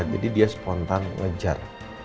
jadi dia spontan ngejar